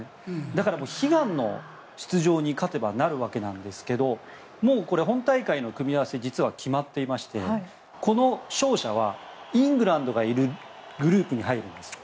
だから悲願の出場すれば勝てばなるわけなんですがもう本大会の組み合わせは実は決まっていましてこの勝者はイングランドがいるグループに入るんです。